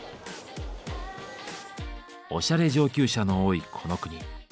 おしゃれ上級者の多いこの国。